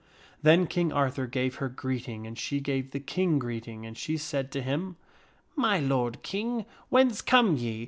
Then King Arthur gave her greeting and she gave the King greeting, and she said to him, " My lord King, whence come ye